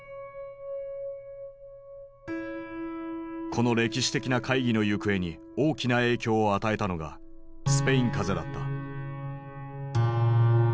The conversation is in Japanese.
この歴史的な会議の行方に大きな影響を与えたのがスペイン風邪だった。